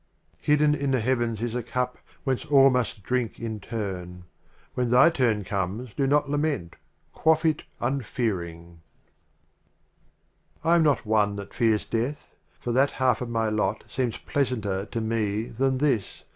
6 4 XL] Hidden in the Heavens is a Cup The Literal Whence all must drink in turn. When thy turn comes, do not lament ;— Quaff it unfearing. XLIII A. I am not one that fears Death, For that half of my Lot seems pleasanter to me than this.